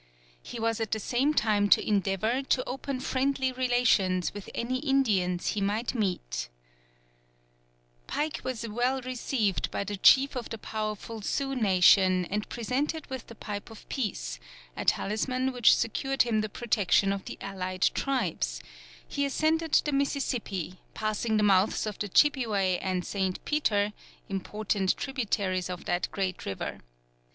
He was at the same time to endeavour to open friendly relations with any Indians he might meet. [Illustration: Map of the Missouri.] Pike was well received by the Chief of the powerful Sioux nation and presented with the pipe of peace, a talisman which secured to him the protection of the allied tribes; he ascended the Mississippi, passing the mouths of the Chippeway and St. Peter, important tributaries of that great river.